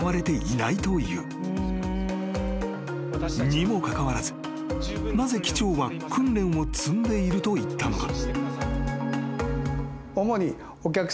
［にもかかわらずなぜ機長は訓練を積んでいると言ったのか？］